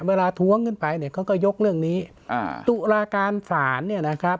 ท้วงขึ้นไปเนี่ยเขาก็ยกเรื่องนี้อ่าตุลาการศาลเนี่ยนะครับ